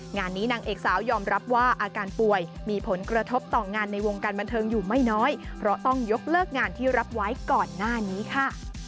งานนี้นางเอกสาวยอมรับว่าอาการป่วยมีผลกระทบต่องานในวงการบันเทิงอยู่ไม่น้อยเพราะต้องยกเลิกงานที่รับไว้ก่อนหน้านี้ค่ะ